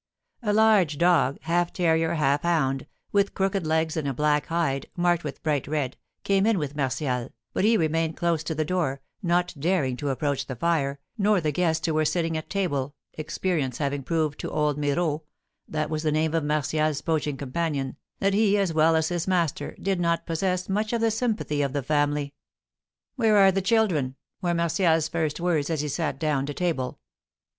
A large dog, half terrier, half hound, with crooked legs and a black hide, marked with bright red, came in with Martial, but he remained close to the door, not daring to approach the fire, nor the guests who were sitting at table, experience having proved to old Miraut (that was the name of Martial's poaching companion) that he, as well as his master, did not possess much of the sympathy of the family. "Where are the children?" were Martial's first words, as he sat down to table.